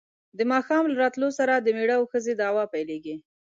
د ماښام له راتلو سره د مېړه او ښځې دعوې پیلېږي.